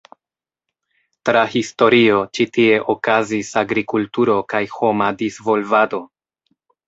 Tra historio, ĉi tie okazis agrikulturo kaj homa disvolvado.